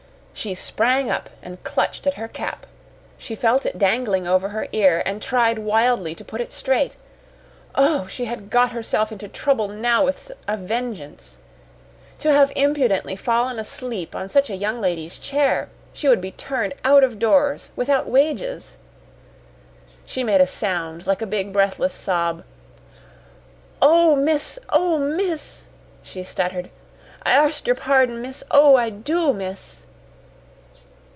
She sprang up and clutched at her cap. She felt it dangling over her ear, and tried wildly to put it straight. Oh, she had got herself into trouble now with a vengeance! To have impudently fallen asleep on such a young lady's chair! She would be turned out of doors without wages. She made a sound like a big breathless sob. "Oh, miss! Oh, miss!" she stuttered. "I arst yer pardon, miss! Oh, I do, miss!"